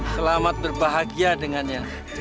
selamat berbahagia dengan yang